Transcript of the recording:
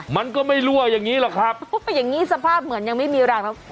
มันก็ไม่รั่วอย่างงี้หรอกครับอย่างงี้สภาพเหมือนยังไม่มีรังแล้ว